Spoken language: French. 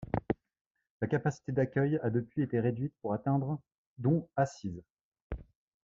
La capacité d'accueil a depuis été réduite pour atteindre dont assises.